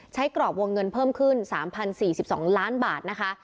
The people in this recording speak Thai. กรอบวงเงินเพิ่มขึ้น๓๐๔๒ล้านบาทนะคะ